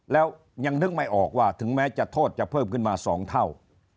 แล้วยังนึกไม่ออกว่าถึงแม้จะโทษจะเพิ่มขึ้นมา๒เท่า